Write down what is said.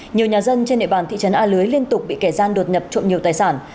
nhiều nhà dân trên địa bàn thị trấn a lưới liên tục bị kẻ gian đột nhập trộm nhiều tài sản